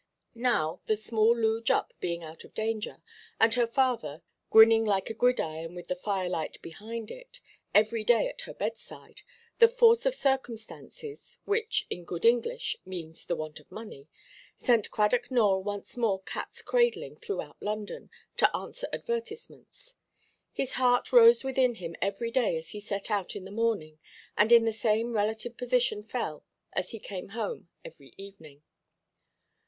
Now, the small Loo Jupp being out of danger, and her father, grinning like a gridiron with the firelight behind it, every day at her bedside, the force of circumstances—which, in good English, means the want of money—sent Cradock Nowell once more catʼs–cradling throughout London, to answer advertisements. His heart rose within him every day as he set out in the morning, and in the same relative position fell, as he came home every evening.